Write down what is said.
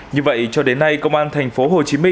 như vậy cho đến nay công an tp hcm